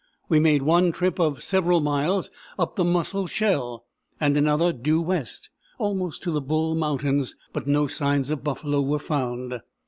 We made one trip of several miles up the Musselshell, and another due west, almost to the Bull Mountains, but no signs of buffalo were found.